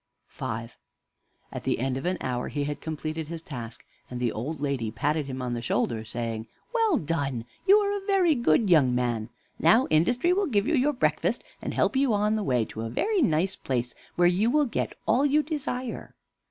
V At the end of an hour he had completed his task, and the old lady patted him on the shoulder, saying, "Well done; you are a very good young man. Now Industry will give you your breakfast, and help you on the way to a very nice place, where you will get all you desire."